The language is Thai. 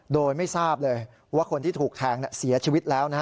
โดยไม่ทราบเลยว่าคนที่ถูกแทงเสียชีวิตแล้วนะฮะ